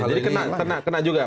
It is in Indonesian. jadi kena juga